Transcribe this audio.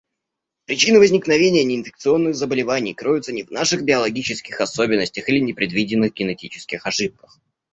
Причины возникновения неинфекционных заболеваний кроются не в наших биологических особенностях или непредвиденных генетических ошибках.